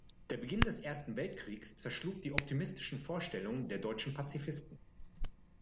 Der Beginn des Ersten Weltkriegs zerschlug die optimistischen Vorstellungen der deutschen Pazifisten.